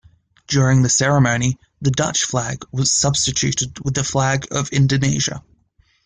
During the ceremony, the Dutch flag was substituted with the Flag of Indonesia.